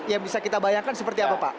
yang bisa kita bayangkan seperti apa pak